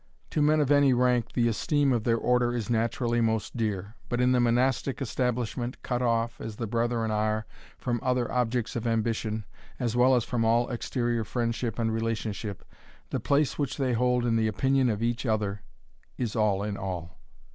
To men of any rank the esteem of their order is naturally most dear; but in the monastic establishment, cut off, as the brethren are, from other objects of ambition, as well as from all exterior friendship and relationship, the place which they hold in the opinion of each other is all in all.